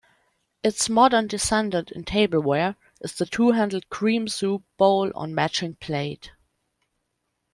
Its modern descendant in tableware is the two-handled cream soup bowl on matching plate.